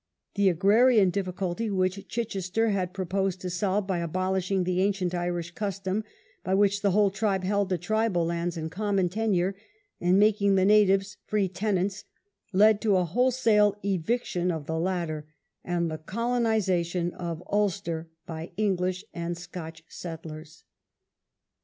The agrarian difficulty, which Chichester had proposed to solve by abolishing the ancient Irish custom by which the whole tribe held the tribal lands in common tenure, and making the natives free tenants, led to a wholesale eviction of the latter and the colonization of Ulster by English and Scotch settlers.